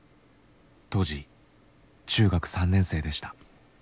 当時中学３年生でした。